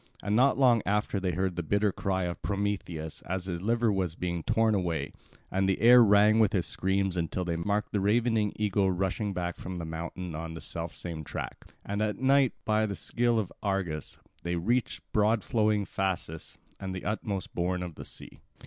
And not long after they heard the bitter cry of Prometheus as his liver was being torn away; and the air rang with his screams until they marked the ravening eagle rushing back from the mountain on the self same track. And at night, by the skill of Argus, they reached broad flowing Phasis, and the utmost bourne of the sea.